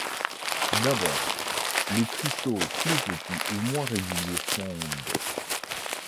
D'abord, les cristaux plus petits ou moins réguliers fondent.